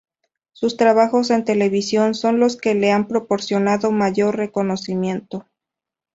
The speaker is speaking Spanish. Sus trabajos en televisión son los que le han proporcionado mayor reconocimiento.